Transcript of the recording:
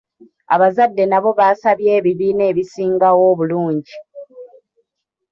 Abazadde nabo baasabye ebibiina ebisingawo obulungi.